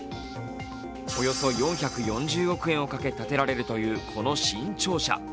およそ４４０億円をかけ建てられるというこの新庁舎。